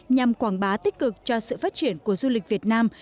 nhằm quảng bá tích cực cho sự phát triển của du lịch việt nam